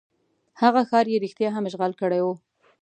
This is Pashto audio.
هغه ښار یې رښتیا هم اشغال کړی وو.